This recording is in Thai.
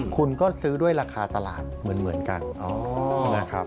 คุณก็ซื้อด้วยราคาตลาดเหมือนกันนะครับ